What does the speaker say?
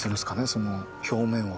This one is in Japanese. その表面を。